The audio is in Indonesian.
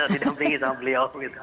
didampingi sama beliau